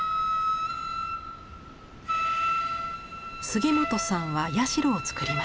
杉本さんは社を作りました。